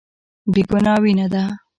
بې ګناه وينه ده.